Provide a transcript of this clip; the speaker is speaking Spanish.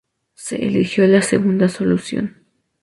Se eligió la segunda solución.